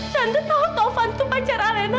tante tahu paufan itu pacar alena